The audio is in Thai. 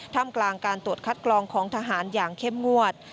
ทำกลางการตรวจคัดกรองของทหารอย่างเข้มงวด